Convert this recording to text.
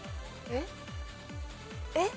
えっ？えっ？